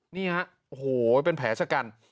นี่ฮะโอ้โหเป็นแผลชะกัน